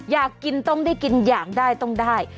อยากกินต้องได้กินอยากได้ต้องได้